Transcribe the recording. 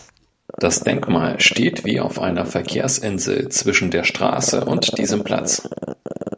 Das Denkmal steht wie auf einer Verkehrsinsel zwischen der Straße und diesem Platz.